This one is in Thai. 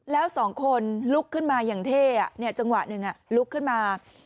แล้วสองคนลุกขึ้นมาอย่างเท่จังหวะหนึ่งลุกขึ้นมา